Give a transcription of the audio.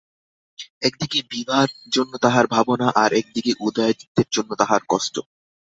একদিকে বিভার জন্য তাঁহার ভাবনা, আর-একদিকে উদয়াদিত্যের জন্য তাঁহার কষ্ট।